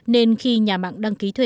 nên khi nhà mạng đăng ký thuê